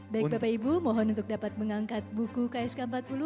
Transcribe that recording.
baik bapak ibu mohon untuk dapat mengangkat buku ksk empat puluh